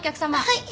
はい。